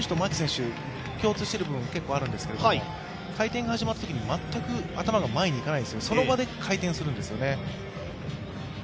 これは本当に頭が前に行かない、佐野選手と牧選手、共通している部分が結構あるんですけれども、回転が始まったときに、全く頭が前にいかない、その場で回転するんですよね。